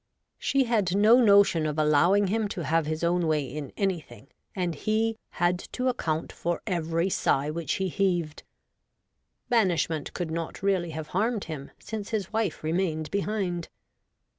She had no notion of allowing him to have his own way in anything, and ' he had to account for every sigh which he heaved.' Banishment could not really have harmed him, since his wife remained behind.